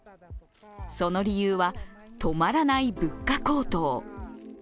その理由は止まらない物価高騰。